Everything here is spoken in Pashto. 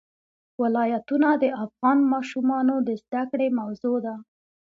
ولایتونه د افغان ماشومانو د زده کړې موضوع ده.